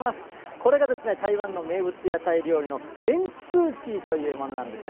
これがですね、台湾の名物屋台料理のエンスーチーというものなんですね。